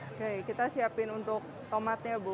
oke kita siapin untuk tomatnya bu